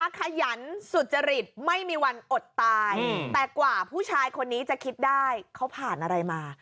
ขยันสุจริตไม่มีวันอดตายแต่กว่าผู้ชายคนนี้จะคิดได้เขาผ่านอะไรมา